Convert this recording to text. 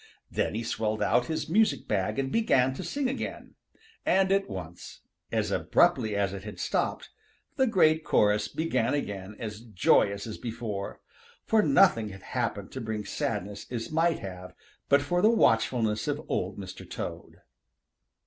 Then he swelled out his music bag and began to sing again. And at once, as abruptly as it had stopped, the great chorus began again as joyous as before, for nothing had happened to bring sadness as might have but for the watchfulness of Old Mr. Toad.